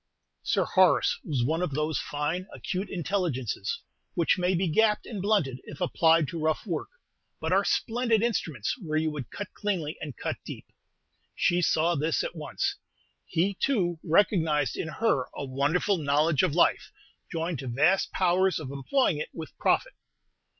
Sir Horace was one of those fine, acute intelligences which may be gapped and blunted if applied to rough work, but are splendid instruments where you would cut cleanly and cut deep. She saw this at once. He, too, recognized in her a wonderful knowledge of life, joined to vast powers of employing it with profit.